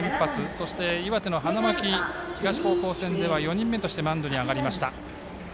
そして、岩手、花巻東戦では４人目としてマウンドへ上がりました。